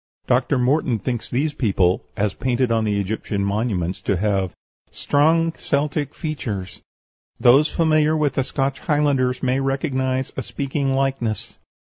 Dr. Morton thinks these people, as painted on the Egyptian monuments, to have "strong Celtic features. Those familiar with the Scotch Highlanders may recognize a speaking likeness."